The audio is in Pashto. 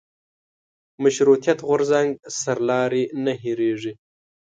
مشروطیت غورځنګ سرلاري نه هېرېږي.